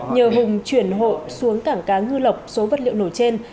nhờ hùng chuyển hộ xuống cảng cá ngư lộc số vật liệu nổ trên